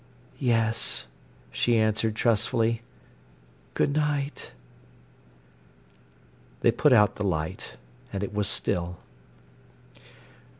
"Yes," she answered trustfully. "Good night." They put out the light, and it was still.